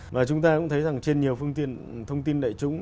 và chúng ta cũng thấy rằng trên nhiều thông tin đại chúng